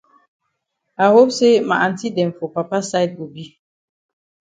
I hope say ma aunty dem for papa side go be.